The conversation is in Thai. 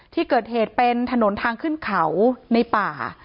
ที่เกิดเหตุเป็นถนนทางขึ้นเขาในป่า